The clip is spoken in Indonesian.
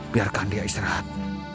biarkan dia istirahat